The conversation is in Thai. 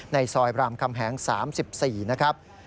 ในซอยบรามคำแหง๓๔นะครับ